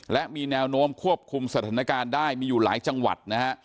และมีแนวโน้มควบคุมสถานการณ์ได้มีอยู่หลายจังหวัดนะฮะ